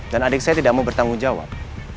dan adik saya tidak mau bertanggung jawab